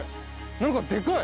何かでかい！